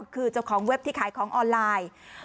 คือเจ้าของเว็บที่ขายของออนไลน์